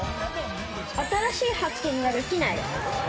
新しい発見ができない。